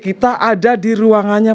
kita ada di ruangannya